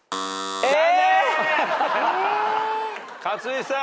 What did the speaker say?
勝地さん